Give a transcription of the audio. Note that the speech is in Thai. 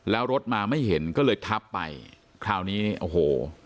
แล้วรถมาไม่เห็นก็เลยทับไปคราวนี้โอ้โห